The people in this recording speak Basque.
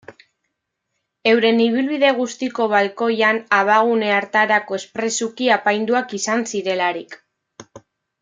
Euren ibilbide guztiko balkoian abagune hartarako espresuki apainduak izan zirelarik.